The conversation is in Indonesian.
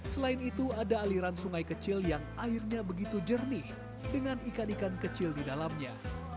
selain itu ada aliran sungai kecil yang airnya begitu jernih dengan ikan ikan kecil di dalamnya